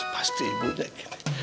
pasti ibunya gini